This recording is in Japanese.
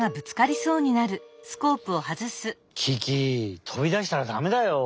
キキとびだしたらだめだよ。